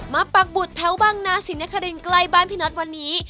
มาปากบุกไท้บ้างน่ะสินคมใกล้บ้านพี่นัทวันนี้